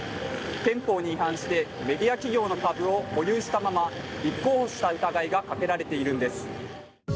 憲法に違反してメディア企業の株を保有したまま立候補した疑いがかけられているんです。